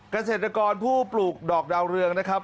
เกษตรกรผู้ปลูกดอกดาวเรืองนะครับ